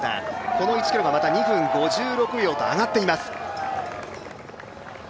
この１ｋｍがまた２分５６秒と上がっています。